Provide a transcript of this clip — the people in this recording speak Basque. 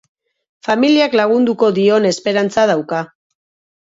Familiak lagunduko dion esperantza dauka.